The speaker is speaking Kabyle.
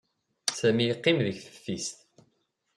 Sami yeqqim deg teftist.